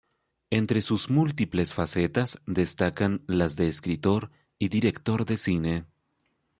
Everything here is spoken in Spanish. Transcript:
Entre sus múltiples facetas destacan las de escritor y director de cine.